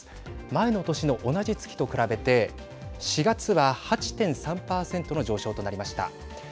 前の年の同じ月と比べて４月は８．３％の上昇となりました。